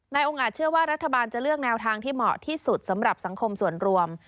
องค์อาจเชื่อว่ารัฐบาลจะเลือกแนวทางที่เหมาะที่สุดสำหรับสังคมส่วนรวม